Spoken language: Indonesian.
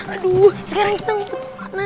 aduh sekarang kita ngumpet ke mana